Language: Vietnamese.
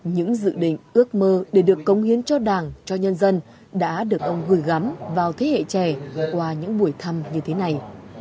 những dự định ước mơ để được công hiến cho đảng cho nhân dân đã được ông gửi gắm vào thế hệ trẻ qua những buổi thăm như thế này